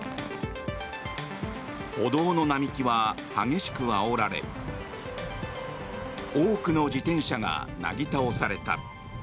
歩道の並木は激しくあおられ多くの自転車がなぎ倒された。